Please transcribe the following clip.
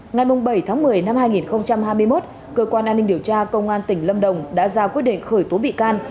ngày bảy tháng một mươi năm hai nghìn hai mươi một cơ quan an ninh điều tra công an tỉnh lâm đồng đã ra quyết định khởi tố bị can